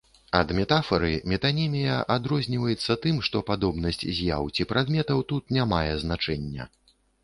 Ад метафары метанімія адрозніваецца тым, што падобнасць з'яў ці прадметаў тут не мае значэння.